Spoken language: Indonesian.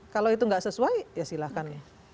kalau itu nggak sesuai ya silahkan